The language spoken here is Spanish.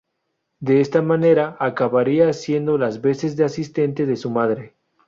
De esta manera acabaría haciendo las veces de asistente de su madre.